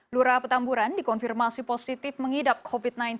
lura petamburan dikonfirmasi positif mengidap covid sembilan belas